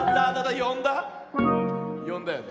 よんだよね？